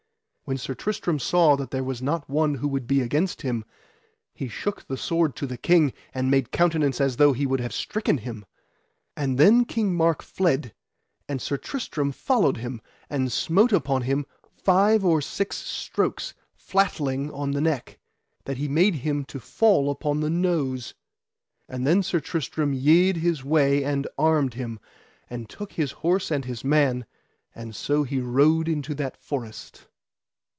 When Sir Tristram saw that there was not one would be against him, he shook the sword to the king, and made countenance as though he would have stricken him. And then King Mark fled, and Sir Tristram followed him, and smote upon him five or six strokes flatling on the neck, that he made him to fall upon the nose. And then Sir Tristram yede his way and armed him, and took his horse and his man, and so he rode into that forest.